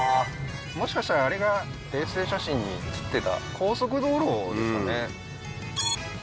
もしかしたらあれが衛星写真に写ってた高速道路ですかね